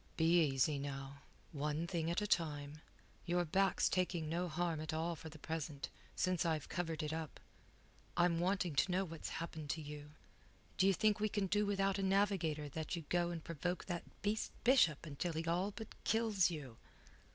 "Be easy, now. One thing at a time. Your back's taking no harm at all for the present, since I've covered it up. I'm wanting to know what's happened to you. D' ye think we can do without a navigator that ye go and provoke that beast Bishop until he all but kills you?"